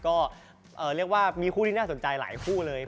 ก็เรียกว่ามีคู่ที่น่าสนใจหลายคู่เลย